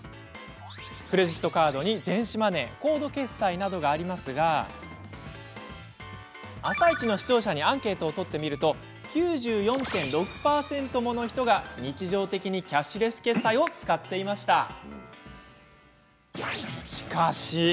クレジットカードに電子マネーコード決済などがありますが「あさイチ」の視聴者にアンケートを取ってみると９４．６％もの人が日常的にキャッシュレス決済を使っていました。